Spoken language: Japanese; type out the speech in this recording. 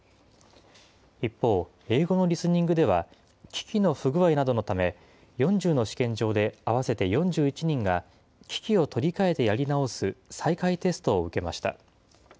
一方、英語のリスニングでは、機器の不具合などのため、４０の試験場で合わせて４１人が、機器を取り替えてやり直す再開テストを受けました。